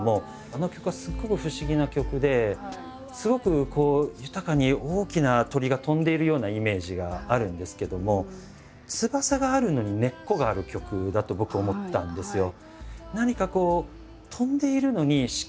あの曲はすっごく不思議な曲ですごく豊かに大きな鳥が飛んでいるようなイメージがあるんですけどもだと僕は思ったんですよ。